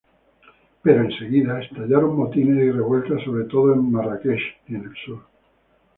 Pero enseguida estallaron motines y revueltas, sobre todo en Marrakech y en el sur.